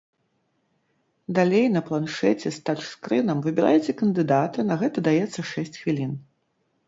Далей на планшэце з тач-скрынам выбіраеце кандыдата, на гэта даецца шэсць хвілін.